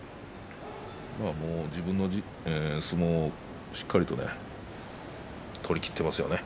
自分の相撲をしっかりと取りきっていますよね。